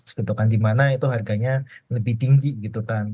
pertama gitu kan dimana itu harganya lebih tinggi gitu kan